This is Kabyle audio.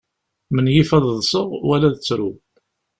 Menyif ad ḍseɣ wala ad ttruɣ.